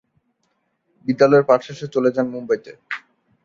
বিদ্যালয়ের পাঠ শেষে চলে যান মুম্বইতে।